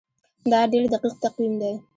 دا ډیر دقیق تقویم دی.